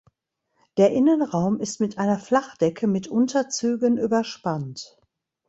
Der Innenraum ist mit einer Flachdecke mit Unterzügen überspannt.